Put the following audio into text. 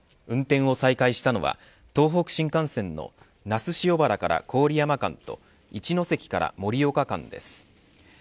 運転を再開したのは東北新幹線の那須塩原から郡山間と一ノ関から盛岡間です。